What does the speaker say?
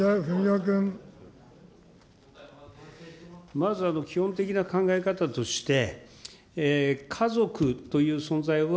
まず、基本的な考え方として、家族という存在は、